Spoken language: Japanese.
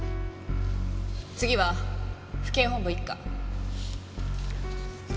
次は府警本部一課。